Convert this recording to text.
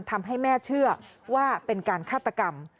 ทำให้แม่เชื่อว่าเป็นการฆาตกรรม